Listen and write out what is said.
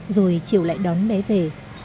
rồi chịu lại đóng để về